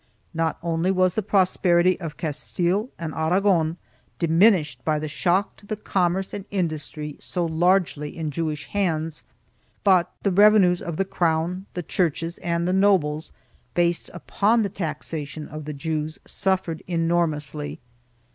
Not only was the prosperity of Castile and Aragon diminished by the shock to the commerce and industry so largely in Jewish hands, but the revenues of the crown, the churches and the nobles, based upon the taxation of the Jews, suffered enormously.